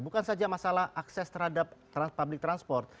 bukan saja masalah akses terhadap public transport